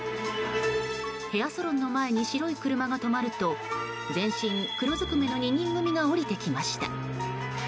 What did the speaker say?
ヘアサロンの前に白い車が止まると全身黒ずくめの２人組が降りてきました。